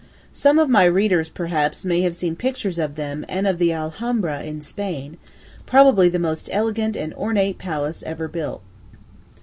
Some of my readers, perhaps, may have seen pictures of them and of the Alhambra in Spain, probably the most elegant and ornate palace ever built.